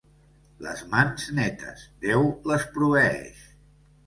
Les mans netes, Déu les proveeix.